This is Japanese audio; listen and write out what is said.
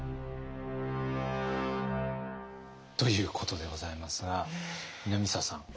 ということでございますが南沢さん。